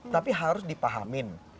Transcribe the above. tapi harus dipahami